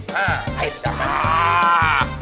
ไม่จับมาก